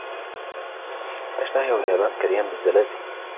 تشتهر اليابان كثيراً بالزلازل.